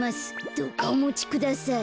どうかおもちください。